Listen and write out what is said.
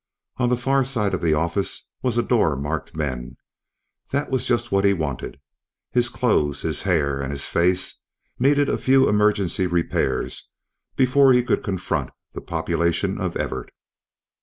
On the far side of the office was a door marked "MEN", that was just what he wanted. His clothes, his hair and his face needed a few emergency repairs before he could confront the population of Everett.